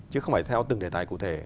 chứ không phải theo từng đề tài cụ thể